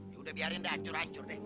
ya udah biarin dah hancur hancur deh